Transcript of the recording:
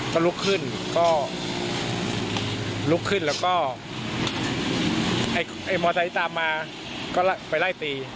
ก็ลุกขึ้นก็ลุกขึ้นแล้วก็ไอ้มอไซค์ตามมาก็ไปไล่ตี